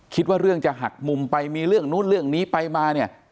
คิดว่าเรื่องจะหักมุมไปมีเรื่องนู้นเรื่องนี้ไปมาเนี่ย